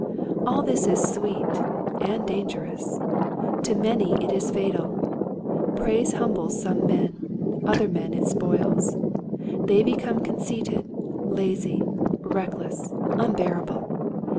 All this is sweet and dangerous. To many it is fatal. Praise humbles some men, other men it spoils. They become conceited, lazy, reckless, unbearable.